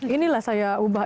inilah saya ubah